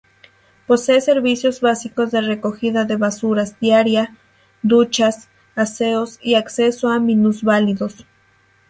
Posee servicios básicos de recogida de basuras diaria, duchas, aseos y acceso a minusválidos.